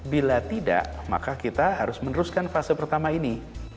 bila tidak maka kita harus meneruskan fase pertama ini